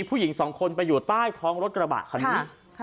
ผู้หญิงสองคนไปอยู่ใต้ท้องรถกระบะคันนี้